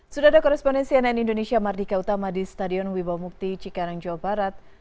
sudah ada korespondensi ann indonesia mardika utama di stadion ui baumukti cikarang jawa barat